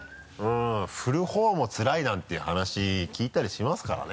振るほうもつらいなんていう話聞いたりしますからね。